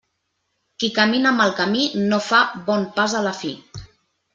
Qui camina mal camí, no fa bon pas a la fi.